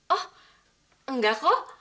oh enggak kok